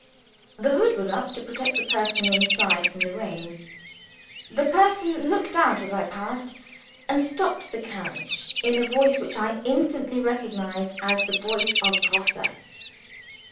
The hood was up to protect the person inside from the rain. The person looked out as I passed, and stopped the carriage in a voice which I instantly recognized as the voice of Grosse.